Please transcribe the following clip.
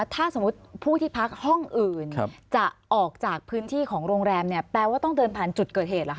ถ้าสมมุติผู้ที่พักห้องอื่นจะออกจากพื้นที่ของโรงแรมเนี่ยแปลว่าต้องเดินผ่านจุดเกิดเหตุเหรอค